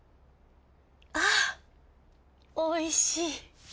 あおいしい。